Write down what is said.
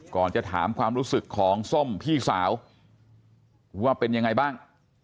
ก่อนจะถามความรู้สึกของส้มพี่สาวว่าเป็นยังไงบ้าง